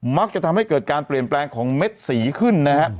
มักจะทำให้เกิดการเปลี่ยนแปลงของเม็ดสีขึ้นนะฮะ